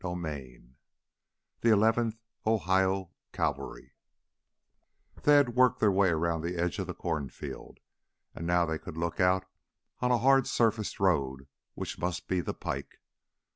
4 The Eleventh Ohio Cavalry They had worked their way around the edge of the cornfield, and now they could look out on a hard surfaced road which must be the pike.